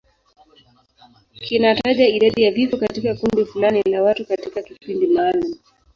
Kinataja idadi ya vifo katika kundi fulani la watu katika kipindi maalum.